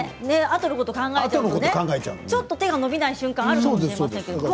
あとのことを考えてちょっと手が伸びない瞬間ありますよね。